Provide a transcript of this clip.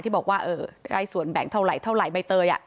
ที่บอกว่าเอ่อใกล้ส่วนแบ่งเท่าไหร่เท่าไหร่ใบเตยอ่ะ